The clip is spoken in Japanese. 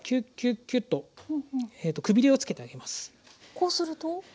こうすると？